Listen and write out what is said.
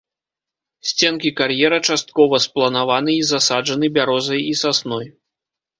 Сценкі кар'ера часткова спланаваны і засаджаны бярозай і сасной.